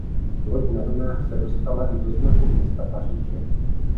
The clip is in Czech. Loď na vlnách se dostala i do znaku města Paříže.